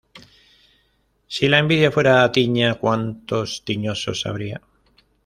Si la envidia fuera tiña, ¡cuántos tiñosos habría!